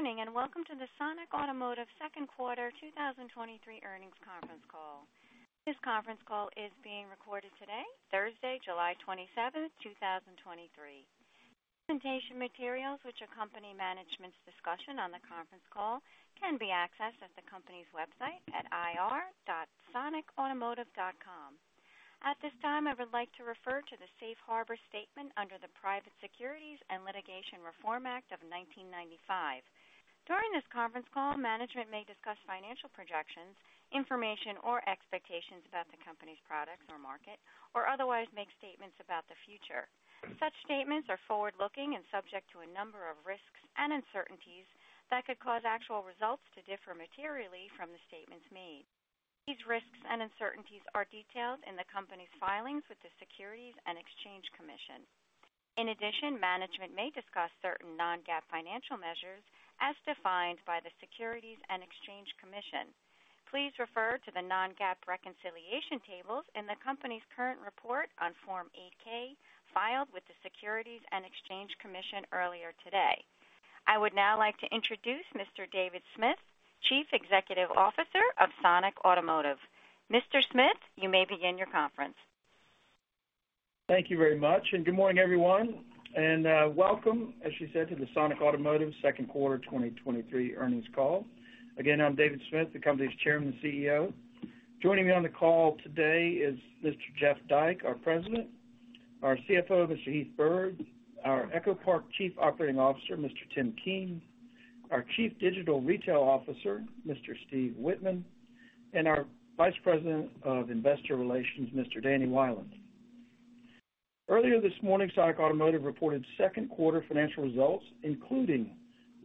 Good morning, and welcome to the Sonic Automotive second quarter 2023 earnings conference call. This conference call is being recorded today, Thursday, July 27, 2023. Presentation materials which accompany management's discussion on the conference call can be accessed at the company's website at ir.sonicautomotive.com. At this time, I would like to refer to the Safe Harbor statement under the Private Securities Litigation Reform Act of 1995. During this conference call, management may discuss financial projections, information, or expectations about the company's products or market, or otherwise make statements about the future. Such statements are forward-looking and subject to a number of risks and uncertainties that could cause actual results to differ materially from the statements made. These risks and uncertainties are detailed in the company's filings with the Securities and Exchange Commission. In addition, management may discuss certain non-GAAP financial measures as defined by the Securities and Exchange Commission. Please refer to the non-GAAP reconciliation tables in the company's current report on Form 8-K, filed with the Securities and Exchange Commission earlier today. I would now like to introduce Mr. David Smith, Chief Executive Officer of Sonic Automotive. Mr. Smith, you may begin your conference. Thank you very much, good morning, everyone, welcome, as she said, to the Sonic Automotive second quarter 2023 earnings call. Again, I'm David Smith, the company's Chairman and CEO. Joining me on the call today is Mr. Jeff Dyke, our President, our CFO, Mr. Heath Byrd, our EchoPark Chief Operating Officer, Mr. Tim Keane, our Chief Digital Retail Officer, Mr. Steve Whitman, and our Vice President of Investor Relations, Mr. Danny Wieland. Earlier this morning, Sonic Automotive reported second quarter financial results, including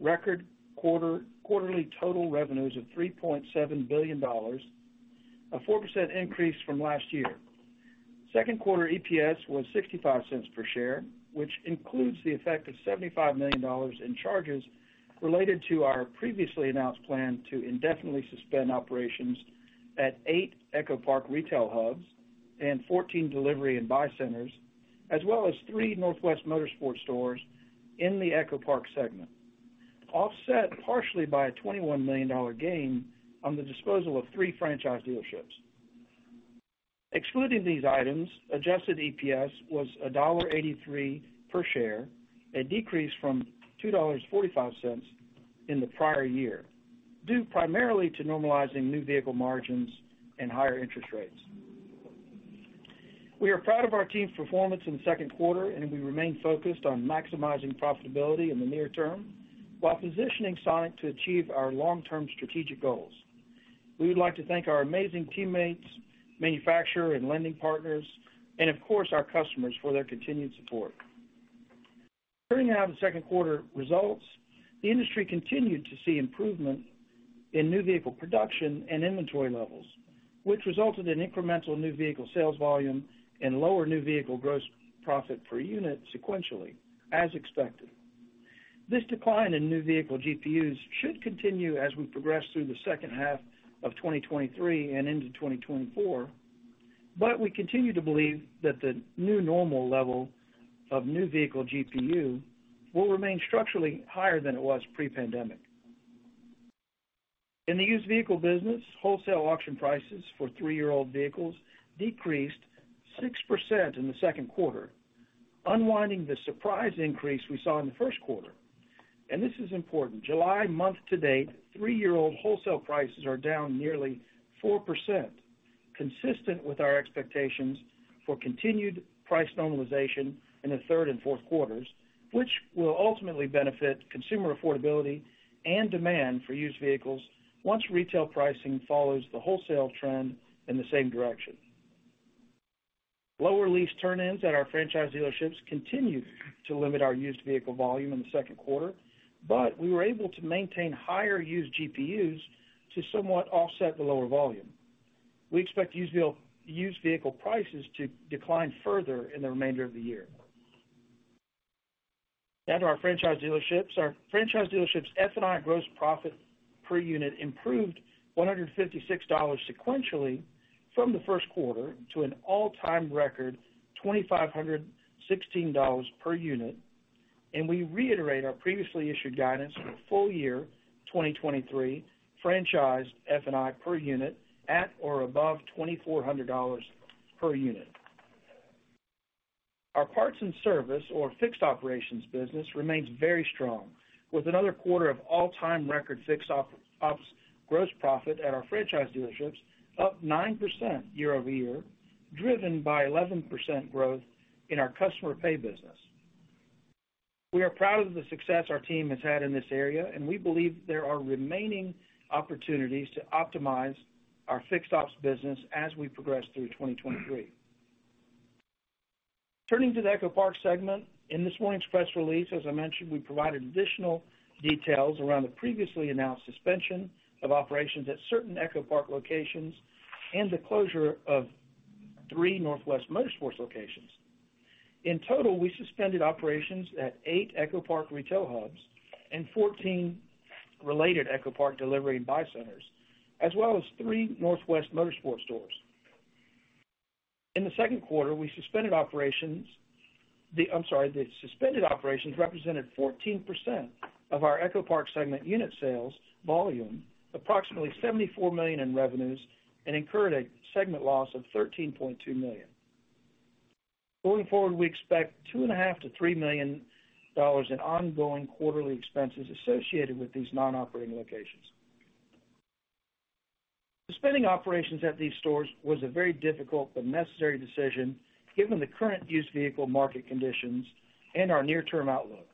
record quarterly total revenues of $3.7 billion, a 4% increase from last year. Second quarter EPS was $0.65 per share, which includes the effect of $75 million in charges related to our previously announced plan to indefinitely suspend operations at eight EchoPark retail hubs and 14 delivery and buy centers, as well as three Northwest Motorsport stores in the EchoPark segment, offset partially by a $21 million gain on the disposal of three franchise dealerships. Excluding these items, Adjusted EPS was $1.83 per share, a decrease from $2.45 in the prior year, due primarily to normalizing new vehicle margins and higher interest rates. We are proud of our team's performance in the second quarter, and we remain focused on maximizing profitability in the near term, while positioning Sonic to achieve our long-term strategic goals. We would like to thank our amazing teammates, manufacturer and lending partners, and of course, our customers for their continued support. Turning now to the second quarter results, the industry continued to see improvement in new vehicle production and inventory levels, which resulted in incremental new vehicle sales volume and lower new vehicle gross profit per unit sequentially, as expected. This decline in new vehicle GPUs should continue as we progress through the second half of 2023 and into 2024, but we continue to believe that the new normal level of new vehicle GPU will remain structurally higher than it was pre-pandemic. In the used vehicle business, wholesale auction prices for three-year-old vehicles decreased 6% in the second quarter, unwinding the surprise increase we saw in the first quarter. This is important. July month to date, three-year-old wholesale prices are down nearly 4%, consistent with our expectations for continued price normalization in the third and fourth quarters, which will ultimately benefit consumer affordability and demand for used vehicles once retail pricing follows the wholesale trend in the same direction. Lower lease turn-ins at our franchise dealerships continued to limit our used vehicle volume in the second quarter. We were able to maintain higher used GPUs to somewhat offset the lower volume. We expect used vehicle prices to decline further in the remainder of the year. Now to our franchise dealerships. Our franchise dealerships F&I gross profit per unit improved $156 sequentially from the first quarter to an all-time record $2,516 per unit. We reiterate our previously issued guidance for full year 2023, franchised F&I per unit at or above $2,400 per unit. Our parts and service, or fixed operations business, remains very strong, with another quarter of all-time record fixed ops gross profit at our franchise dealerships up 9% year-over-year, driven by 11% growth in our customer pay business. We are proud of the success our team has had in this area. We believe there are remaining opportunities to optimize our fixed ops business as we progress through 2023. Turning to the EchoPark segment. In this morning's press release, as I mentioned, we provided additional details around the previously announced suspension of operations at certain EchoPark locations and the closure of three Northwest Motorsport locations. In total, we suspended operations at eight EchoPark retail hubs and 14 related EchoPark delivery and buy centers, as well as three Northwest Motorsport stores. In the second quarter, we suspended operations, the suspended operations represented 14% of our EchoPark segment unit sales volume, approximately $74 million in revenues, and incurred a segment loss of $13.2 million. Going forward, we expect $2.5 million-$3 million in ongoing quarterly expenses associated with these non-operating locations. Suspending operations at these stores was a very difficult but necessary decision, given the current used vehicle market conditions and our near-term outlook.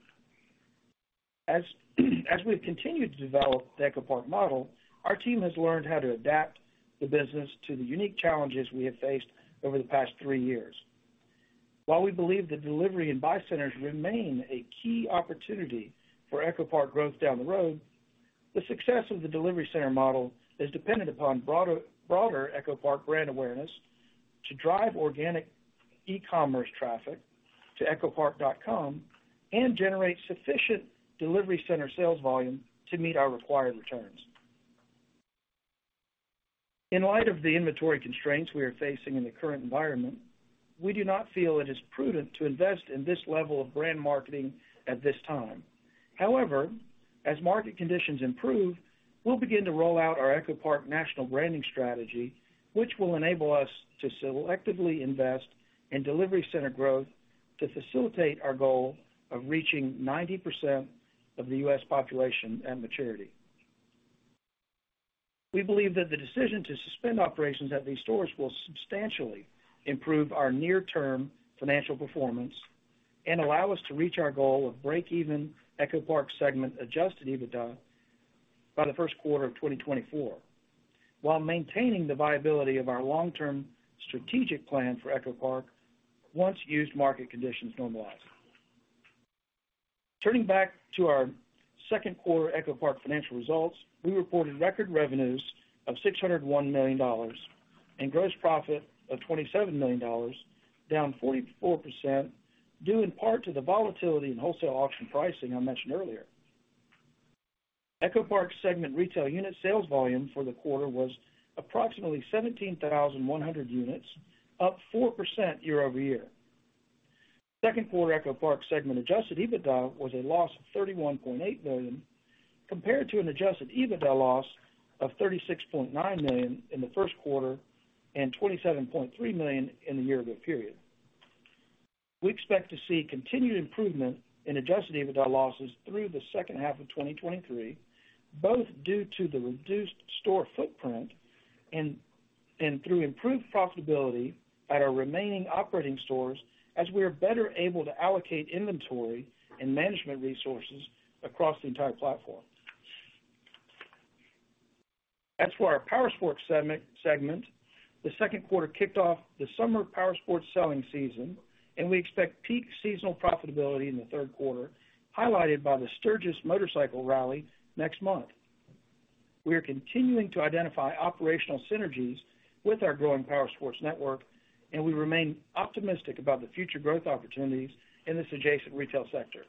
As we've continued to develop the EchoPark model, our team has learned how to adapt the business to the unique challenges we have faced over the past three years. While we believe the delivery and buy centers remain a key opportunity for EchoPark growth down the road, the success of the delivery center model is dependent upon broader EchoPark brand awareness to drive organic e-commerce traffic to echopark.com and generate sufficient delivery center sales volume to meet our required returns. In light of the inventory constraints we are facing in the current environment, we do not feel it is prudent to invest in this level of brand marketing at this time. However, as market conditions improve, we'll begin to roll out our EchoPark national branding strategy, which will enable us to selectively invest in delivery center growth to facilitate our goal of reaching 90% of the U.S. population at maturity. We believe that the decision to suspend operations at these stores will substantially improve our near-term financial performance and allow us to reach our goal of break-even EchoPark segment Adjusted EBITDA by the first quarter of 2024, while maintaining the viability of our long-term strategic plan for EchoPark once used market conditions normalize. Turning back to our second quarter EchoPark financial results, we reported record revenues of $601 million and gross profit of $27 million, down 44%, due in part to the volatility in wholesale auction pricing I mentioned earlier. EchoPark segment retail unit sales volume for the quarter was approximately 17,100 units, up 4% year-over-year. Second quarter EchoPark segment Adjusted EBITDA was a loss of $31.8 million, compared to an Adjusted EBITDA loss of $36.9 million in the first quarter and $27.3 million in the year ago period. We expect to see continued improvement in Adjusted EBITDA losses through the second half of 2023, both due to the reduced store footprint and through improved profitability at our remaining operating stores, as we are better able to allocate inventory and management resources across the entire platform. As for our Powersports segment, the second quarter kicked off the summer Powersports selling season, and we expect peak seasonal profitability in the third quarter, highlighted by the Sturgis Motorcycle Rally next month. We are continuing to identify operational synergies with our growing Powersports network, and we remain optimistic about the future growth opportunities in this adjacent retail sector.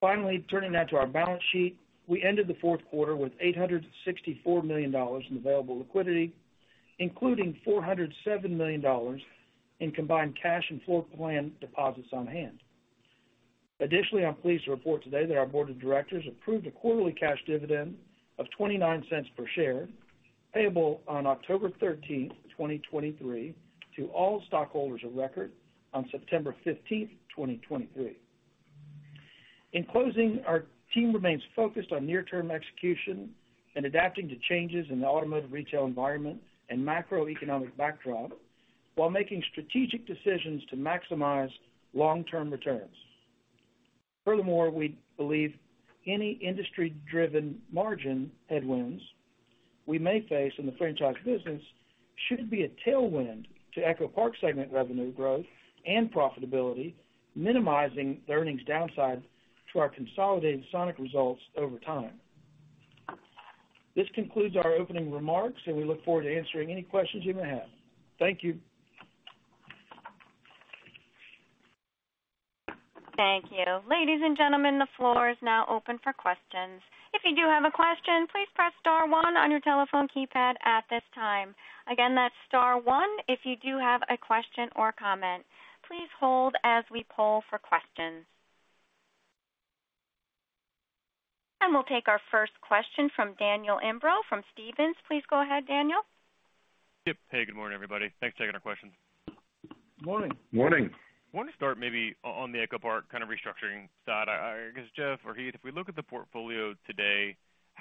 Finally, turning now to our balance sheet. We ended the fourth quarter with $864 million in available liquidity, including $407 million in combined cash and floor plan deposits on hand. Additionally, I'm pleased to report today that our board of directors approved a quarterly cash dividend of $0.29 per share, payable on October 13, 2023, to all stockholders of record on September 15, 2023. In closing, our team remains focused on near-term execution and adapting to changes in the automotive retail environment and macroeconomic backdrop, while making strategic decisions to maximize long-term returns. Furthermore, we believe any industry-driven margin headwinds we may face in the franchise business should be a tailwind to EchoPark segment revenue growth and profitability, minimizing the earnings downside to our consolidated Sonic results over time. This concludes our opening remarks, and we look forward to answering any questions you may have. Thank you. Thank you. Ladies and gentlemen, the floor is now open for questions. If you do have a question, please press star one on your telephone keypad at this time. Again, that's star one if you do have a question or comment. Please hold as we poll for questions. We'll take our first question from Daniel Imbro from Stephens. Please go ahead, Daniel. Yep. Hey, good morning, everybody. Thanks for taking our questions. Morning. Morning. I want to start maybe on the EchoPark kind of restructuring side. I, I guess, Jeff or Heath, if we look at the portfolio today,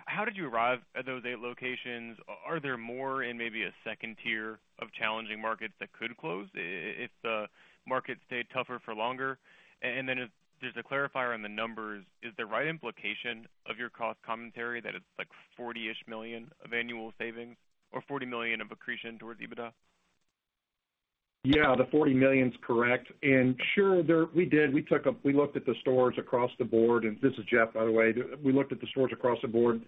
how did you arrive at those eight locations? Are there more in maybe a second tier of challenging markets that could close if the markets stay tougher for longer? Then just to clarify on the numbers, is the right implication of your cost commentary that it's, like, $40 million of annual savings or $40 million of accretion towards EBITDA? Yeah, the $40 million's correct. Sure, we did. We looked at the stores across the board, and this is Jeff, by the way. We looked at the stores across the board,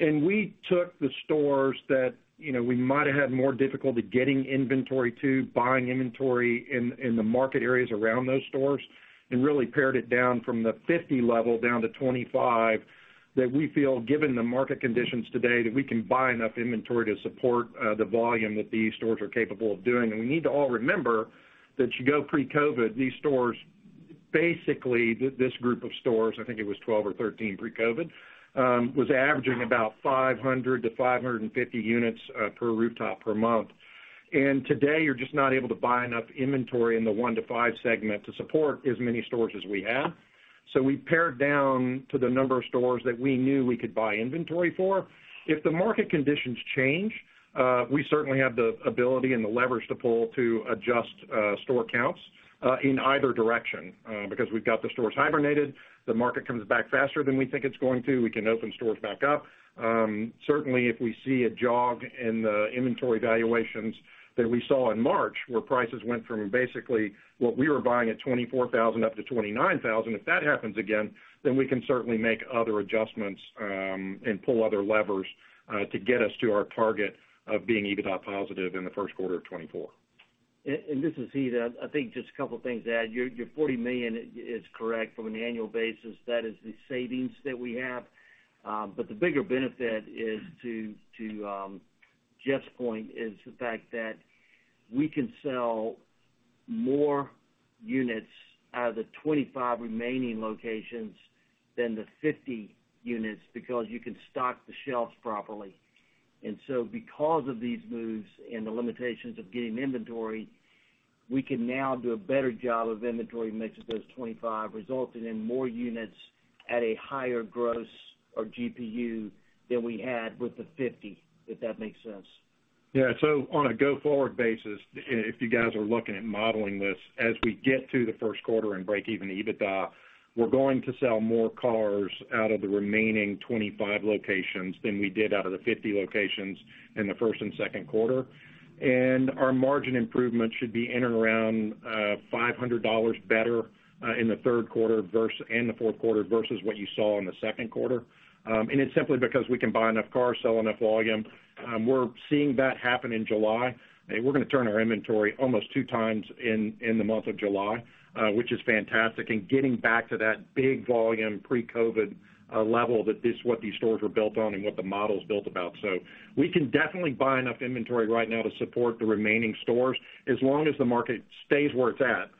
and we took the stores that, you know, we might have had more difficulty getting inventory to, buying inventory in, in the market areas around those stores and really pared it down from the 50 level down to 25, that we feel, given the market conditions today, that we can buy enough inventory to support the volume that these stores are capable of doing. We need to all remember that you go pre-COVID, these stores-... basically, this group of stores, I think it was 12 or 13 pre-COVID, was averaging about 500 to 550 units per rooftop per month. Today, you're just not able to buy enough inventory in the one to five segment to support as many stores as we have. We pared down to the number of stores that we knew we could buy inventory for. If the market conditions change, we certainly have the ability and the leverage to pull to adjust store counts in either direction. Because we've got the stores hibernated, the market comes back faster than we think it's going to, we can open stores back up. Certainly, if we see a jog in the inventory valuations that we saw in March, where prices went from basically what we were buying at $24,000 up to $29,000, if that happens again, then we can certainly make other adjustments, and pull other levers, to get us to our target of being EBITDA positive in the first quarter of 2024. This is Heath. I think just a couple of things to add. Your $40 million is correct from an annual basis. That is the savings that we have. But the bigger benefit is to Jeff's point, is the fact that we can sell more units out of the 25 remaining locations than the 50 units, because you can stock the shelves properly. Because of these moves and the limitations of getting inventory, we can now do a better job of inventory mix of those 25, resulting in more units at a higher gross or GPU than we had with the 50, if that makes sense. On a go-forward basis, if you guys are looking at modeling this, as we get to the first quarter and break even EBITDA, we're going to sell more cars out of the remaining 25 locations than we did out of the 50 locations in the first and second quarter. Our margin improvement should be in and around $500 better in the third quarter and the fourth quarter, versus what you saw in the second quarter. It's simply because we can buy enough cars, sell enough volume. We're seeing that happen in July. We're going to turn our inventory almost 2x in the month of July, which is fantastic, and getting back to that big volume pre-COVID level, that is what these stores were built on and what the model is built about. We can definitely buy enough inventory right now to support the remaining stores, as long as the market stays where it's at.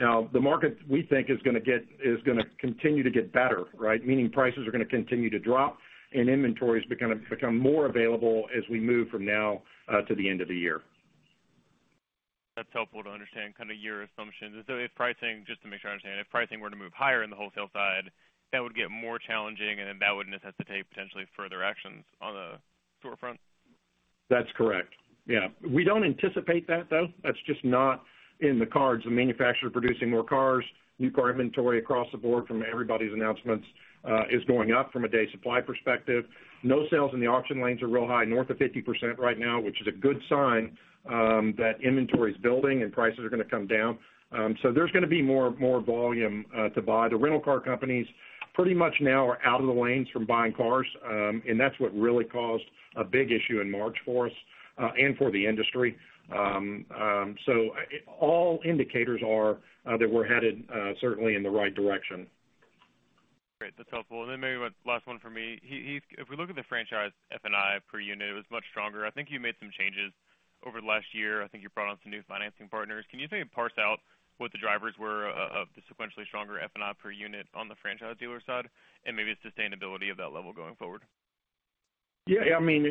Now, the market, we think, is gonna continue to get better, right? Meaning prices are going to continue to drop and inventories become more available as we move from now to the end of the year. That's helpful to understand kind of your assumptions. If pricing, just to make sure I understand, if pricing were to move higher in the wholesale side, that would get more challenging, and then that would necessitate potentially further actions on the storefront? That's correct. Yeah. We don't anticipate that, though. That's just not in the cards. The manufacturer producing more cars, new car inventory across the board from everybody's announcements, is going up from a day supply perspective. No sales in the auction lanes are real high, north of 50% right now, which is a good sign, that inventory is building and prices are going to come down. There's gonna be more, more volume to buy. The rental car companies pretty much now are out of the lanes from buying cars, and that's what really caused a big issue in March for us, and for the industry. All indicators are that we're headed certainly in the right direction. Great, that's helpful. And then maybe one last one for me. Heath, if we look at the franchise F&I per unit, it was much stronger. I think you made some changes over the last year. I think you brought on some new financing partners. Can you maybe parse out what the drivers were of the sequentially stronger F&I per unit on the franchise dealer side, and maybe the sustainability of that level going forward? Yeah, I mean,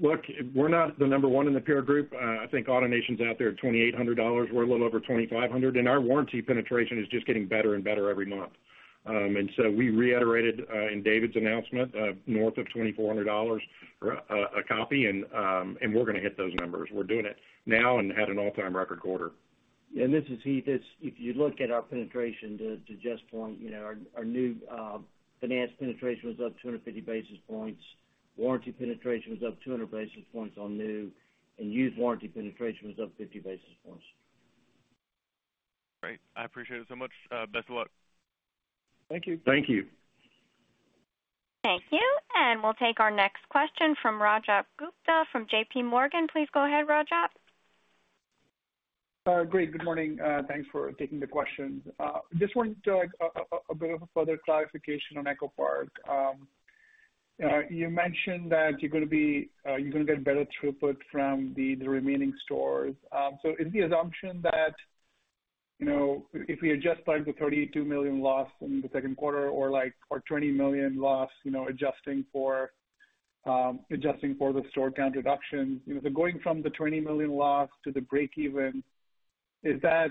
look, we're not the number one in the peer group. I think AutoNation's out there at $2,800. We're a little over $2,500, and our warranty penetration is just getting better and better every month. We reiterated in David's announcement north of $2,400 a copy, and we're gonna hit those numbers. We're doing it now and had an all-time record quarter. Yeah, this is Heath. If you look at our penetration to just form, you know, our new finance penetration was up 250 basis points, warranty penetration was up 200 basis points on new, and used warranty penetration was up 50 basis points. Great. I appreciate it so much. Best of luck. Thank you. Thank you. Thank you. We'll take our next question from Rajat Gupta from JPMorgan. Please go ahead, Rajat. Great. Good morning. Thanks for taking the questions. Just wanted to like, a bit of further clarification on EchoPark. You mentioned that you're gonna get better throughput from the, the remaining stores. Is the assumption that, you know, if we adjust by the $32 million loss in the second quarter or like our $20 million loss, you know, adjusting for, adjusting for the store count reduction, you know, going from the $20 million loss to the break even, is that...?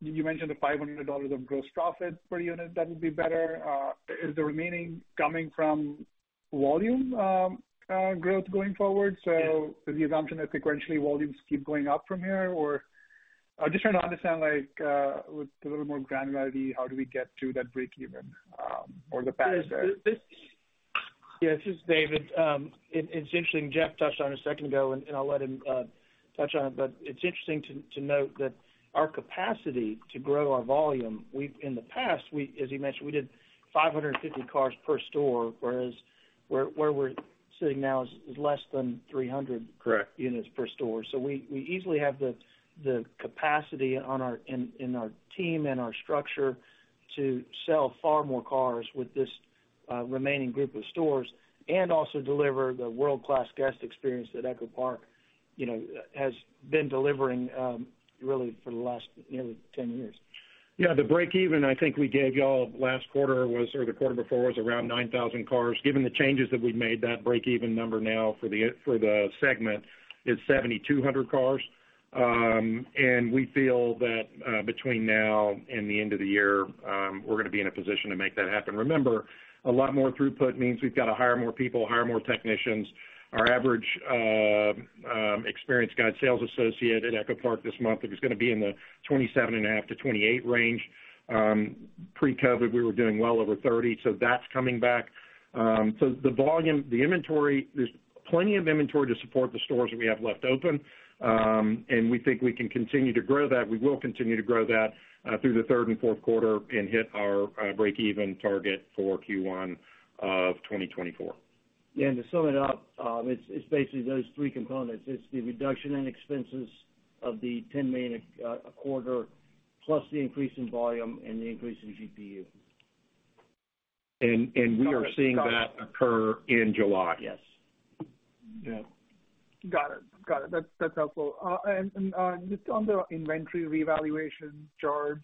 You mentioned the $500 of gross profit per unit, that would be better. Is the remaining coming from volume, growth going forward? Is the assumption that sequentially, volumes keep going up from here, or...? I'm just trying to understand, like, with a little more granularity, how do we get to that break even, or the path there? This is David. It's interesting, Jeff touched on it a second ago, and I'll let him touch on it, but it's interesting to note that our capacity to grow our volume, in the past, we, as he mentioned, we did 550 cars per store, whereas where we're sitting now is less than 300... Correct. units per store. We easily have the capacity in our team and our structure to sell far more cars with the remaining group of stores and also deliver the world-class guest experience that EchoPark, you know, has been delivering, really for the last nearly 10 years. The breakeven, I think we gave you all last quarter, was, or the quarter before, was around 9,000 cars. Given the changes that we've made, that breakeven number now for the segment is 7,200 cars. We feel that between now and the end of the year, we're gonna be in a position to make that happen. Remember, a lot more throughput means we've got to hire more people, hire more technicians. Our average Experience Guide sales associate at EchoPark this month is gonna be in the 27.5-28 range. Pre-COVID, we were doing well over 30, so that's coming back. The volume, the inventory, there's plenty of inventory to support the stores that we have left open. We think we can continue to grow that. We will continue to grow that, through the third and fourth quarter and hit our, breakeven target for Q1 of 2024. To sum it up, it's basically those three components. It's the reduction in expenses of the $10 million, a quarter, plus the increase in volume and the increase in GPU. We are seeing that occur in July. Yes. Yeah. Got it. That's helpful. Just on the inventory revaluation charge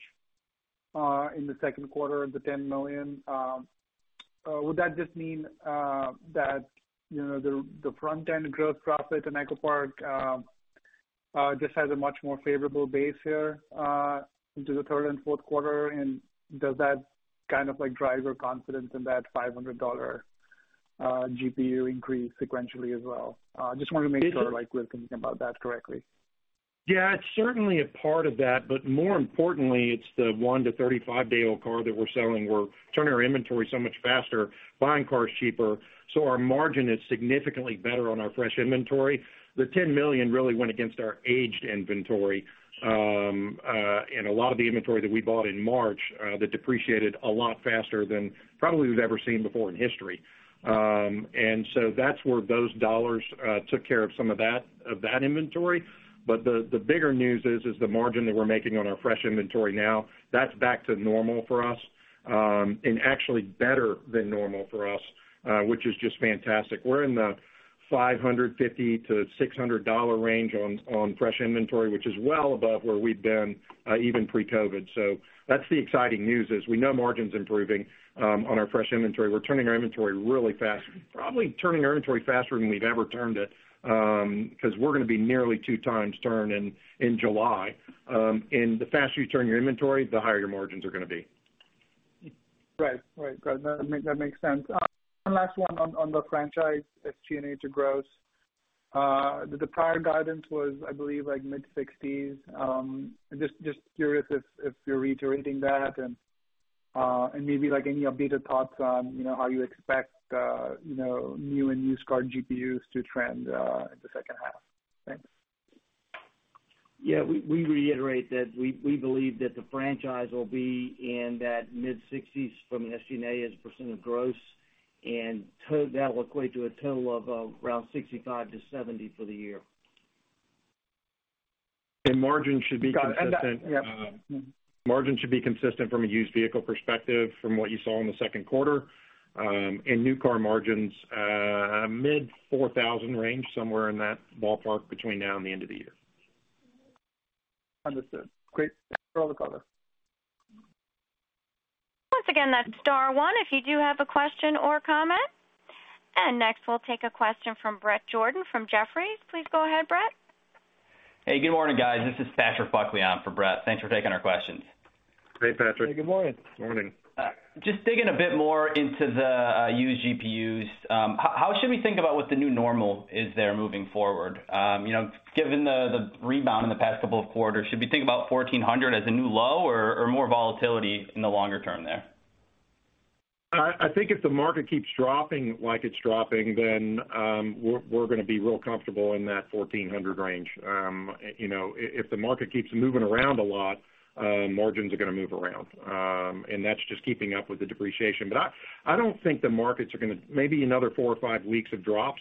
in the second quarter, the $10 million, would that just mean that, you know, the front-end gross profit in EchoPark just has a much more favorable base here into the third and fourth quarter? Does that kind of, like, drive your confidence in that $500 GPU increase sequentially as well? Just wanted to make sure, like, we're thinking about that correctly. It's certainly a part of that, but more importantly, it's the one to 35-day-old car that we're selling. We're turning our inventory so much faster, buying cars cheaper. Our margin is significantly better on our fresh inventory. The $10 million really went against our aged inventory, and a lot of the inventory that we bought in March, that depreciated a lot faster than probably we've ever seen before in history. That's where those dollars took care of some of that inventory. The bigger news is, is the margin that we're making on our fresh inventory now, that's back to normal for us, and actually better than normal for us, which is just fantastic. We're in the $550-$600 range on fresh inventory, which is well above where we've been, even pre-COVID. That's the exciting news is we know margin's improving, on our fresh inventory. We're turning our inventory really fast, probably turning our inventory faster than we've ever turned it, because we're gonna be nearly 2x turned in, in July. The faster you turn your inventory, the higher your margins are gonna be. Right. Great, that makes sense. One last one on the franchise, SG&A to gross. The prior guidance was, I believe, like mid-sixties. Just curious if you're reiterating that and maybe, like, any updated thoughts on, you know, how you expect new and used car GPUs to trend in the second half? Thanks. Yeah, we reiterate that we believe that the franchise will be in that mid-sixties from an SG&A as a percentage of gross, that will equate to a total of, around 65-70 for the year. Margin should be consistent- Got it. that... Yep. Margin should be consistent from a used vehicle perspective from what you saw in the second quarter. New car margins, mid $4,000 range, somewhere in that ballpark between now and the end of the year. Understood. Great. Thanks for all the color. Once again, that's star one if you do have a question or comment. Next, we'll take a question from Brett Jordan from Jefferies. Please go ahead, Brett. Good morning, guys. This is Patrick Buckley on for Brett. Thanks for taking our questions. Hey, Patrick. Hey, good morning. Morning. Just digging a bit more into the used GPUs. How should we think about what the new normal is there moving forward? You know, given the rebound in the past couple of quarters, should we think about 1,400 as a new low or more volatility in the longer term there? I think if the market keeps dropping like it's dropping, then we're gonna be real comfortable in that 1,400 range. You know, if the market keeps moving around a lot, margins are gonna move around. That's just keeping up with the depreciation. I don't think the markets are gonna. Maybe another four or five weeks of drops,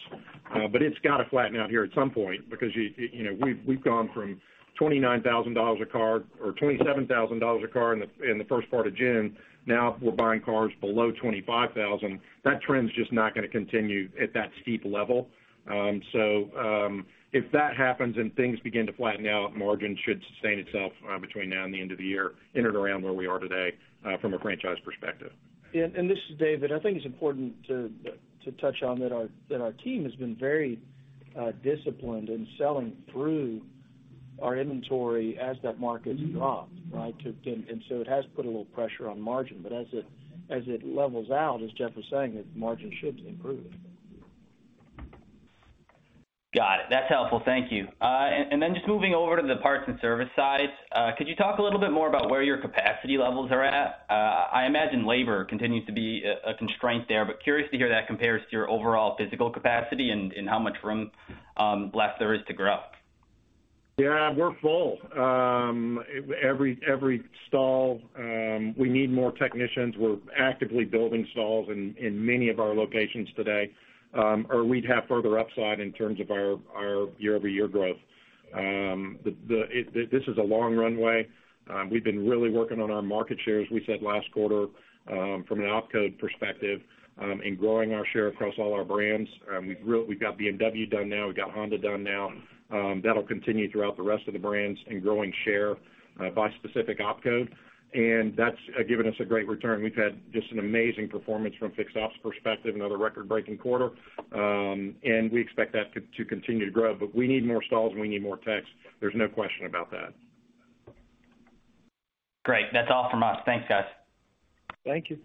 but it's got to flatten out here at some point because you know, we've gone from $29,000 a car or $27,000 a car in the first part of June, now we're buying cars below $25,000. That trend's just not gonna continue at that steep level. If that happens and things begin to flatten out, margin should sustain itself, between now and the end of the year in and around where we are today, from a franchise perspective. This is David. I think it's important to touch on that our team has been very disciplined in selling through our inventory as that market's dropped, right? It has put a little pressure on margin, but as it levels out, as Jeff was saying, its margin should improve. Got it. That's helpful. Thank you. Then just moving over to the parts and service side. Could you talk a little bit more about where your capacity levels are at? I imagine labor continues to be a constraint there, but curious to hear how that compares to your overall physical capacity and how much room left there is to grow. We're full. Every stall, we need more technicians. We're actively building stalls in many of our locations today, we'd have further upside in terms of our year-over-year growth. This is a long runway. We've been really working on our market share, as we said last quarter, from an OpCo perspective, in growing our share across all our brands. We've got BMW done now, we've got Honda done now. That'll continue throughout the rest of the brands and growing share, by specific OpCo, and that's given us a great return. We've had just an amazing performance from a fixed ops perspective, another record-breaking quarter, and we expect that to continue to grow. We need more stalls, and we need more techs. There's no question about that. Great. That's all from us. Thanks, guys. Thank you.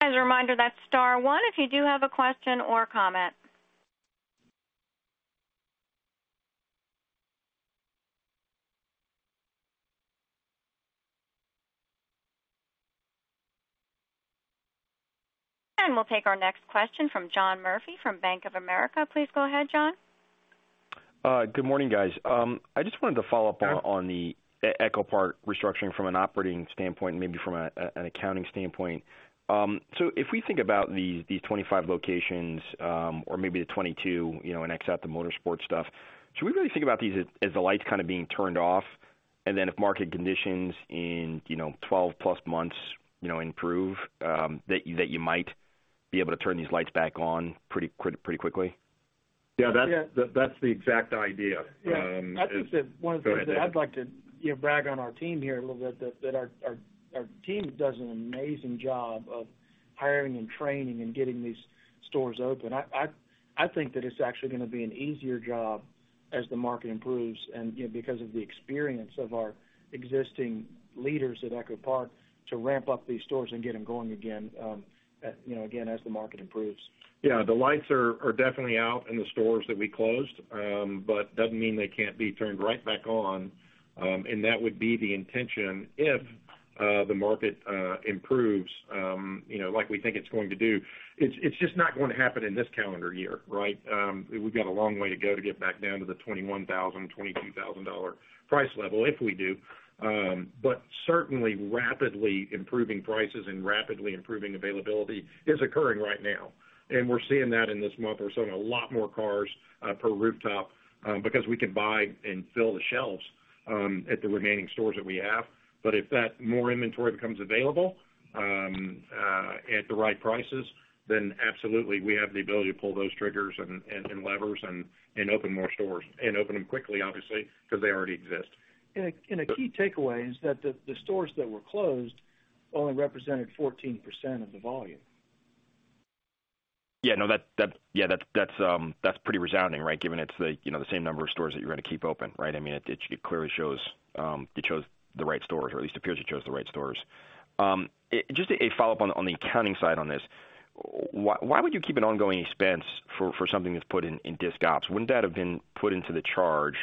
As a reminder, that's star one if you do have a question or comment. We'll take our next question from John Murphy from Bank of America. Please go ahead, John. Good morning, guys. I just wanted to follow up on the EchoPark restructuring from an operating standpoint and maybe from an accounting standpoint. If we think about the 25 locations, or maybe the 22, you know, and except the motorsport stuff, should we really think about these as the lights kind of being turned off, and then if market conditions in, you know, 12+ months, you know, improve, that you might be able to turn these lights back on pretty quickly? Yeah. Yeah. That's the exact idea. Yeah, I'd just add one other thing. Go ahead. I'd like to, you know, brag on our team here a little bit, that our team does an amazing job of hiring and training and getting these stores open. I think that it's actually gonna be an easier job as the market improves and, you know, because of the experience of our existing leaders at EchoPark to ramp up these stores and get them going again, you know, again, as the market improves. Yeah, the lights are definitely out in the stores that we closed, but doesn't mean they can't be turned right back on. That would be the intention if the market improves, you know, like we think it's going to do. It's just not going to happen in this calendar year, right? We've got a long way to go to get back down to the $21,000-$22,000 price level, if we do. Certainly rapidly improving prices and rapidly improving availability is occurring right now, and we're seeing that in this month. We're selling a lot more cars per rooftop because we can buy and fill the shelves at the remaining stores that we have. If that more inventory becomes available, at the right prices, then absolutely, we have the ability to pull those triggers and levers and open more stores and open them quickly, obviously, because they already exist. A key takeaway is that the stores that were closed only represented 14% of the volume. Yeah, no, that's pretty resounding, right? Given it's the, you know, the same number of stores that you're going to keep open, right? I mean, it clearly shows, you chose the right stores, or at least appears you chose the right stores. Just a follow-up on the accounting side on this. Why would you keep an ongoing expense for something that's put in disc ops? Wouldn't that have been put into the charge?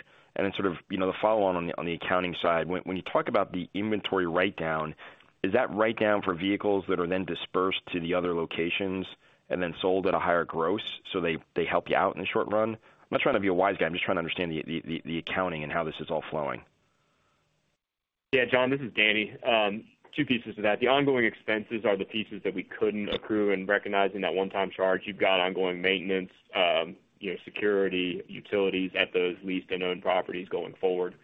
Sort of, you know, the follow on the accounting side, when you talk about the inventory write down, is that write down for vehicles that are then dispersed to the other locations and then sold at a higher gross, so they help you out in the short run? I'm not trying to be a wise guy. I'm just trying to understand the, the, the accounting and how this is all flowing. John, this is Danny. Two pieces to that. The ongoing expenses are the pieces that we couldn't accrue in recognizing that one-time charge. You've got ongoing maintenance, you know, security, utilities at those leased and owned properties going forward.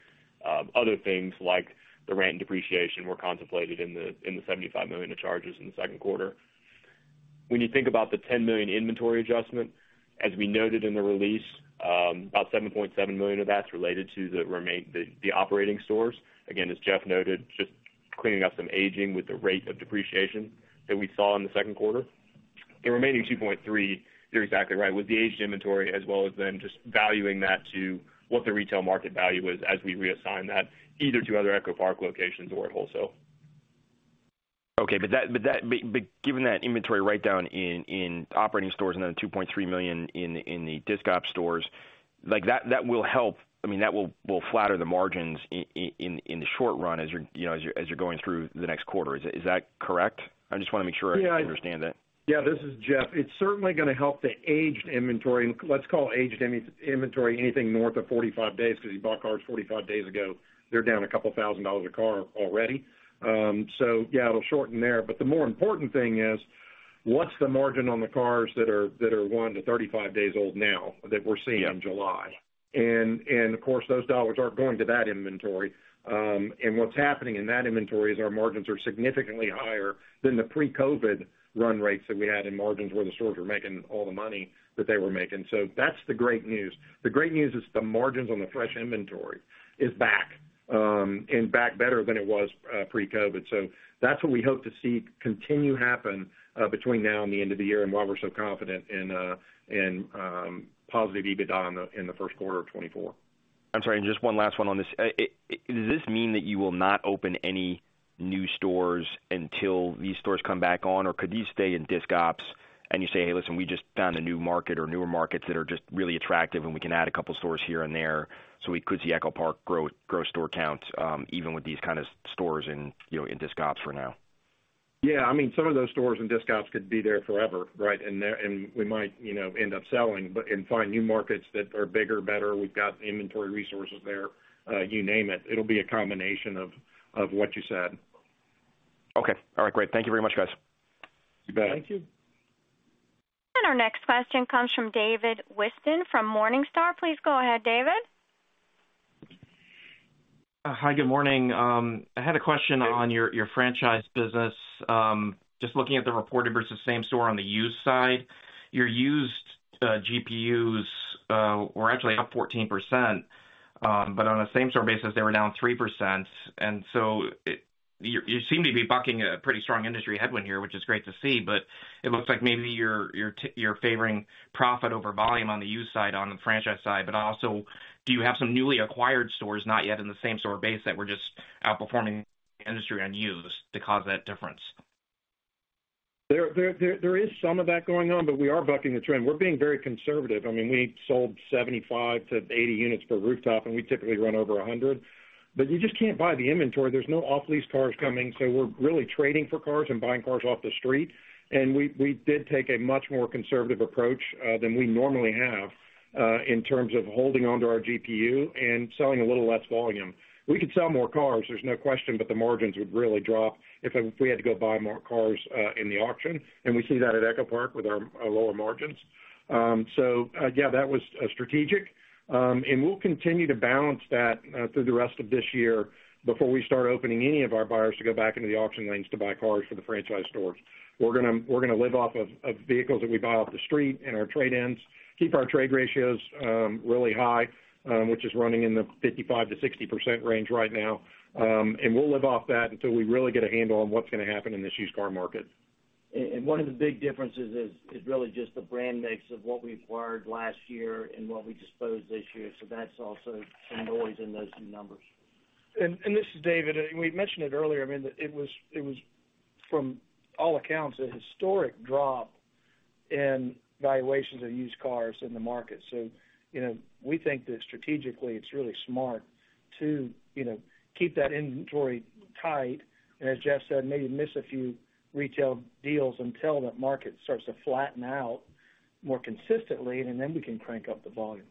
Other things like the rent and depreciation were contemplated in the $75 million of charges in the second quarter. When you think about the $10 million inventory adjustment, as we noted in the release, about $7.7 million of that's related to the operating stores. Again, as Jeff noted, just cleaning up some aging with the rate of depreciation that we saw in the second quarter. The remaining 2.3, you're exactly right, with the aged inventory, as well as then just valuing that to what the retail market value is as we reassign that, either to other EchoPark locations or wholesale. Given that inventory write down in operating stores another $2.3 million in the disc ops stores, like, that will help. I mean, that will flatter the margins in the short run as you're, you know, as you're going through the next quarter. Is that correct? I just want to make sure I understand that. Yeah, this is Jeff. It's certainly gonna help the aged inventory. Let's call aged inventory anything north of 45 days, because you bought cars 45 days ago, they're down $2,000 a car already. Yeah, it'll shorten there. The more important thing is, what's the margin on the cars that are one-35 days old now, that we're seeing in July? Yeah. Of course, those dollars aren't going to that inventory. What's happening in that inventory is our margins are significantly higher than the pre-COVID run rates that we had in margins, where the stores were making all the money that they were making. That's the great news. The great news is the margins on the fresh inventory is back and back better than it was pre-COVID. That's what we hope to see continue to happen between now and the end of the year, and why we're so confident in in positive EBITDA in the first quarter of 2024. I'm sorry, just one last one on this. Does this mean that you will not open any new stores until these stores come back on? Could these stay in disc ops and you say: Hey, listen, we just found a new market or newer markets that are just really attractive, and we can add a couple stores here and there, so we could see EchoPark grow store counts, even with these kind of stores in, you know, in disc ops for now? Yeah, I mean, some of those stores and discounts could be there forever, right? We might, you know, end up selling, but, and find new markets that are bigger, better. We've got inventory resources there, you name it. It'll be a combination of what you said. Okay. All right, great. Thank you very much, guys. You bet. Thank you. Our next question comes from David Whiston from Morningstar. Please go ahead, David. Hi, good morning. I had a question on your franchise business. Just looking at the reported versus same store on the used side, your used GPUs were actually up 14%, but on a same store basis, they were down 3%. You seem to be bucking a pretty strong industry headwind here, which is great to see, but it looks like maybe you're favoring profit over volume on the used side, on the franchise side. Also, do you have some newly acquired stores, not yet in the same store base, that were just outperforming the industry on used to cause that difference? There is some of that going on, but we are bucking the trend. We're being very conservative. I mean, we sold 75-80 units per rooftop, and we typically run over 100. You just can't buy the inventory. There's no off-lease cars coming, so we're really trading for cars and buying cars off the street. We did take a much more conservative approach than we normally have in terms of holding onto our GPU and selling a little less volume. We could sell more cars, there's no question, but the margins would really drop if we had to go buy more cars in the auction, and we see that at EchoPark with our lower margins. Yeah, that was strategic. We'll continue to balance that through the rest of this year before we start opening any of our buyers to go back into the auction lanes to buy cars for the franchise stores. We're gonna live off of vehicles that we buy off the street and our trade-ins, keep our trade ratios really high, which is running in the 55%-60% range right now. We'll live off that until we really get a handle on what's gonna happen in this used car market. One of the big differences is really just the brand mix of what we acquired last year and what we disposed this year. That's also some noise in those new numbers. This is David, I mean, it was from all accounts, a historic drop in valuations of used cars in the market. You know, we think that strategically it's really smart to, you know, keep that inventory tight, and as Jeff said, maybe miss a few retail deals until that market starts to flatten out more consistently, and then we can crank up the volume.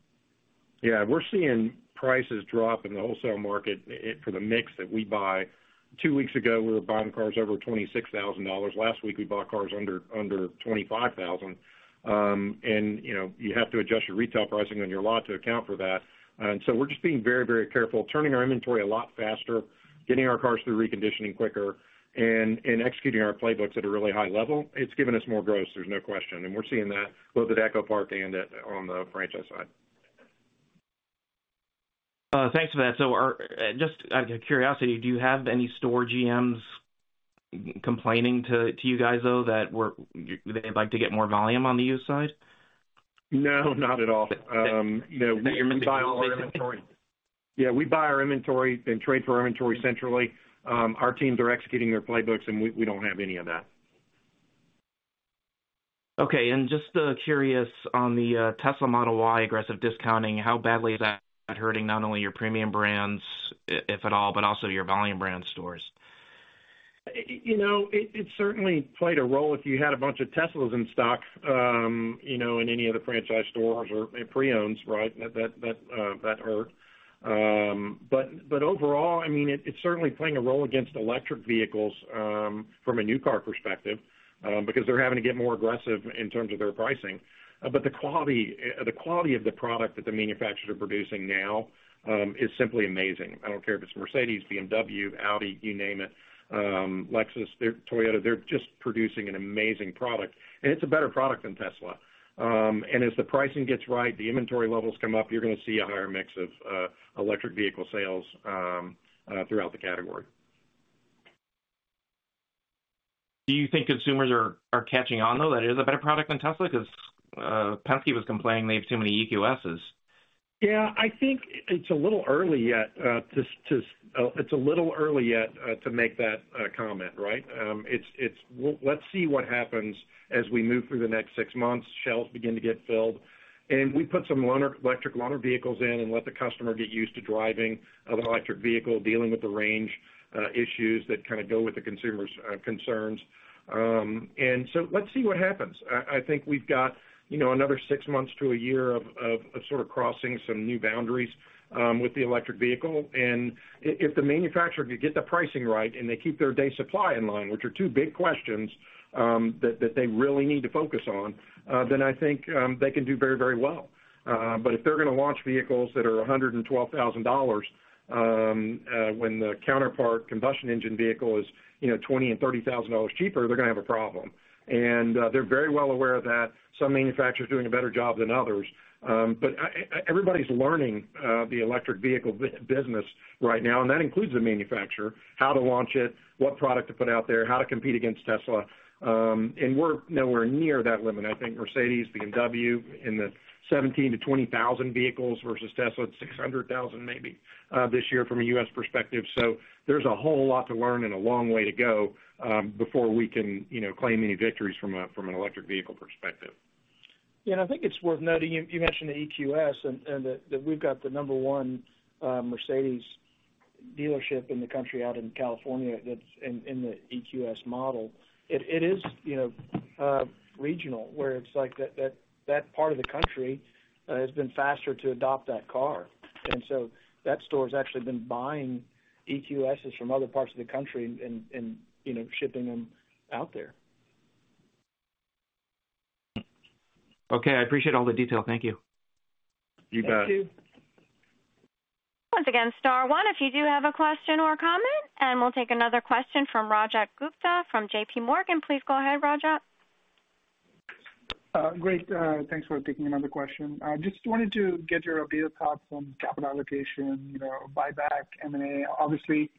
We're seeing prices drop in the wholesale market for the mix that we buy. Two weeks ago, we were buying cars over $26,000. Last week, we bought cars under $25,000. You know, you have to adjust your retail pricing on your lot to account for that. We're just being very, very careful, turning our inventory a lot faster, getting our cars through reconditioning quicker, and executing our playbooks at a really high level. It's given us more gross, there's no question, and we're seeing that both at EchoPark and at, on the franchise side. Thanks for that. Out of curiosity, do you have any store GMs complaining to you guys, though, they'd like to get more volume on the used side? No, not at all. No, we buy our inventory. The inventory- We buy our inventory and trade for our inventory centrally. Our teams are executing their playbooks, and we don't have any of that. Okay. Just curious on the Tesla Model Y aggressive discounting, how badly is that hurting not only your premium brands, if at all, but also your volume brand stores? You know, it, it certainly played a role if you had a bunch of Teslas in stock, you know, in any of the franchise stores or in pre-owns, right? That hurt. Overall, I mean, it, it's certainly playing a role against electric vehicles from a new car perspective because they're having to get more aggressive in terms of their pricing. The quality, the quality of the product that the manufacturers are producing now is simply amazing. I don't care if it's Mercedes, BMW, Audi, you name it, Lexus, Toyota, they're just producing an amazing product, and it's a better product than Tesla. As the pricing gets right, the inventory levels come up, you're gonna see a higher mix of electric vehicle sales throughout the category. Do you think consumers are catching on, though, that it is a better product than Tesla? Because Penske was complaining they have too many EQSs. Yeah, I think it's a little early yet to make that comment, right? Let's see what happens as we move through the next six months, shelves begin to get filled, and we put some electric loaner vehicles in and let the customer get used to driving an electric vehicle, dealing with the range issues that kind of go with the consumer's concerns. Let's see what happens. I think we've got, you know, another six months to a year of sort of crossing some new boundaries with the electric vehicle. If the manufacturer could get the pricing right, and they keep their day supply in line, which are two big questions that they really need to focus on, then I think they can do very, very well. If they're gonna launch vehicles that are $112,000 when the counterpart combustion engine vehicle is, you know, $20,000-$30,000 cheaper, they're gonna have a problem. They're very well aware of that. Some manufacturers are doing a better job than others. Everybody's learning the electric vehicle business right now, and that includes the manufacturer, how to launch it, what product to put out there, how to compete against Tesla. We're nowhere near that limit. I think Mercedes, BMW, in the 17,000-20,000 vehicles versus Tesla at 600,000, maybe, this year from a U.S. perspective. There's a whole lot to learn and a long way to go, before we can, you know, claim any victories from a, from an electric vehicle perspective. I think it's worth noting, you mentioned the EQS, and that we've got the number one Mercedes dealership in the country out in California that's in the EQS model. It is, you know, regional, where it's like that part of the country has been faster to adopt that car. That store's actually been buying EQSs from other parts of the country and, you know, shipping them out there. Okay, I appreciate all the detail. Thank you. You bet. Thank you. Once again, star one, if you do have a question or a comment. We'll take another question from Rajat Gupta from JPMorgan. Please go ahead, Rajat. Great. Thanks for taking another question. I just wanted to get your updated thoughts on capital allocation, you know, buyback, M&A. Obviously,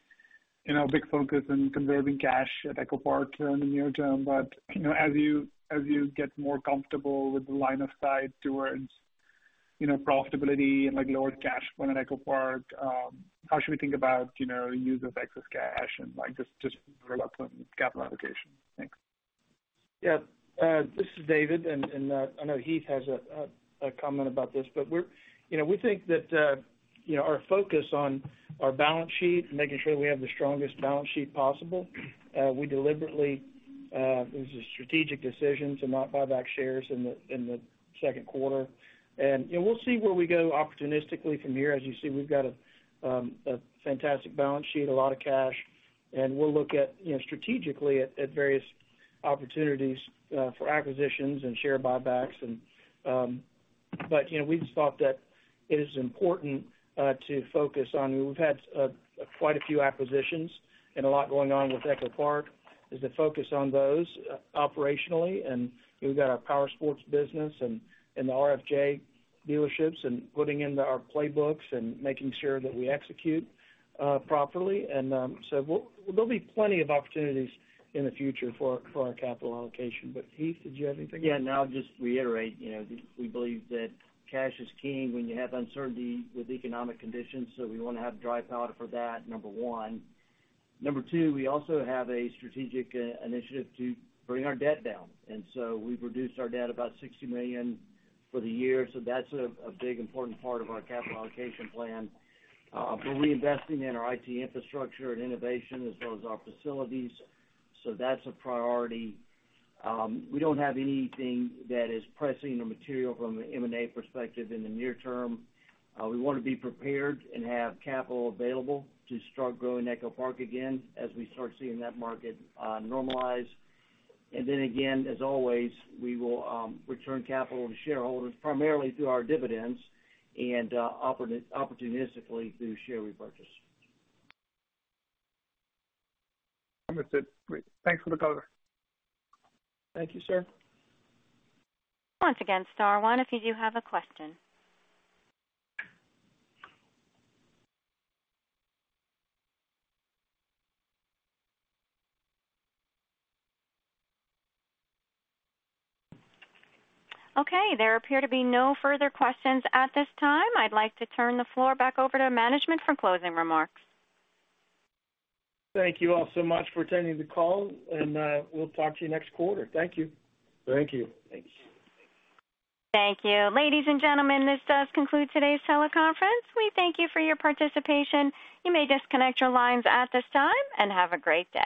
you know, a big focus in conserving cash at EchoPark in the near term, but, you know, as you get more comfortable with the line of sight towards, you know, profitability and, like, lower cash flow in EchoPark, how should we think about, you know, use of excess cash and, like, just relevant capital allocation? Thanks. Yeah, this is David, and I know Heath has a comment about this. You know, we think that, you know, our focus on our balance sheet and making sure we have the strongest balance sheet possible, we deliberately, it was a strategic decision to not buy back shares in the second quarter. You know, we'll see where we go opportunistically from here. As you see, we've got a fantastic balance sheet, a lot of cash, and we'll look at, you know, strategically at various opportunities for acquisitions and share buybacks. But, you know, we just thought that it is important to focus on. We've had quite a few acquisitions and a lot going on with EchoPark, is to focus on those operationally. We've got our Powersports business and the RFJ dealerships and putting into our playbooks and making sure that we execute properly. So there'll be plenty of opportunities in the future for our capital allocation. Heath, did you have anything? I'll just reiterate, you know, we believe that cash is king when you have uncertainty with economic conditions, we wanna have dry powder for that, number one. Number two, we also have a strategic initiative to bring our debt down, we've reduced our debt about $60 million for the year, that's a big important part of our capital allocation plan. We're reinvesting in our IT infrastructure and innovation as well as our facilities, that's a priority. We don't have anything that is pressing or material from an M&A perspective in the near term. We wanna be prepared and have capital available to start growing EchoPark again, as we start seeing that market normalize. Again, as always, we will return capital to shareholders, primarily through our dividends and opportunistically through share repurchase. That's it. Great. Thanks for the color. Thank you, sir. Once again, star one if you do have a question. Okay, there appear to be no further questions at this time. I'd like to turn the floor back over to management for closing remarks. Thank you all so much for attending the call, and we'll talk to you next quarter. Thank you. Thank you. Thanks. Thank you. Ladies and gentlemen, this does conclude today's teleconference. We thank you for your participation. You may disconnect your lines at this time, and have a great day.